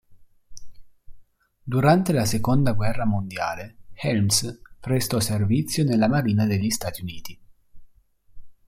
Durante la Seconda guerra mondiale Helms prestò servizio nella Marina degli Stati Uniti.